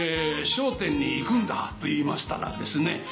「『笑点』に行くんだ」と言いましたらですね